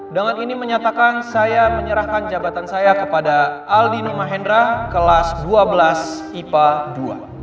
dengan ini menyatakan saya menyerahkan jabatan saya kepada aldi numa hendra kelas dua belas ips dua